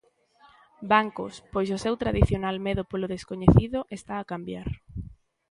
Bancos, pois o seu tradicional medo polo descoñecido está a cambiar.